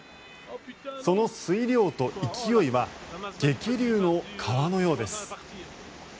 その水量と勢いは激流の川のようです。